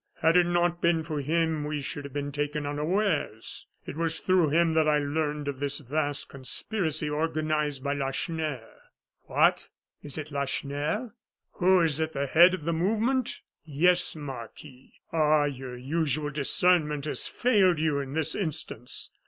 Had it not been for him, we should have been taken unawares. It was through him that I learned of this vast conspiracy organized by Lacheneur " "What! is it Lacheneur " "Who is at the head of the movement? yes, Marquis. Ah! your usual discernment has failed you in this instance.